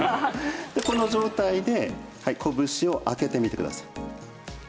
この状態で拳を開けてみてください。